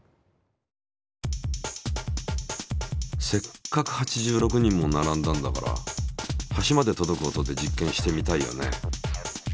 せっかく８６人も並んだんだからはしまで届く音で実験してみたいよね。